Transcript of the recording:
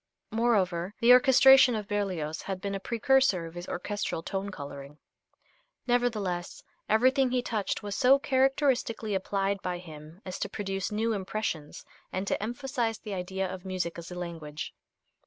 Moreover, the orchestration of Berlioz had been a precursor of his orchestral tone coloring. Nevertheless, everything he touched was so characteristically applied by him as to produce new impressions, and to emphasize the idea of music as a language.